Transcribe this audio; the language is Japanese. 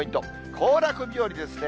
行楽日和ですね。